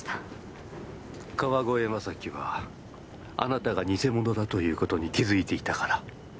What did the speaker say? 川越柾はあなたが偽者だという事に気づいていたから。